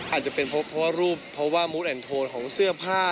อาจจะเป็นเพราะว่ารูปเพราะว่ามูธแอนโทนของเสื้อผ้า